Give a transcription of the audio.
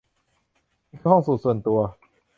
นี่คือห้องสูทส่วนตัว